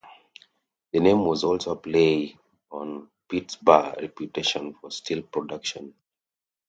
The name was also a play on Pittsburgh's reputation for steel production.